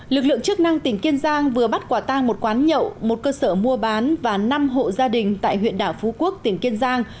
lực lượng chức năng tỉnh kiên giang vừa bắt quả tang một quán nhậu một cơ sở mua bán và năm hộ gia đình tại huyện đảo phú quốc tỉnh kiên giang